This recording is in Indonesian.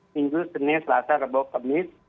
minggu senin selasa rabu kamis